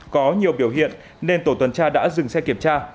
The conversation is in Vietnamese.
có nhiều biểu hiện nên tổ tuần tra đã dừng xe kiểm tra